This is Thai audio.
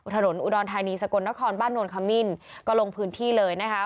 ถนนอุดรธานีสกลนครบ้านนวลขมิ้นก็ลงพื้นที่เลยนะคะ